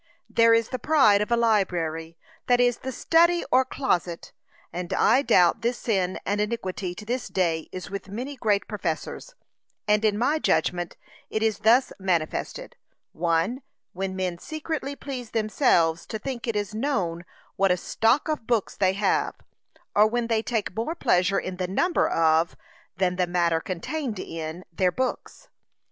There is the pride of a library, that is, the study or closet, and I doubt this sin and iniquity to this day is with many great professors, and in my judgment it is thus manifested. (l.) When men secretly please themselves to think it is known what a stock of books they have, or when they take more pleasure in the number of, than the matter contained in, their books.